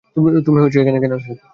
তুমি কেন এসেছো?